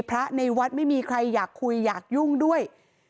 พระในวัดไม่มีใครอยากคุยอยากยุ่งด้วย